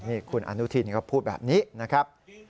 นี่คุณอนุทินก็พูดแบบนี้นะครับ